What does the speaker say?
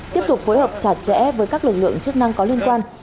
tiếp tục phối hợp chặt chẽ với các lực lượng chức năng có liên quan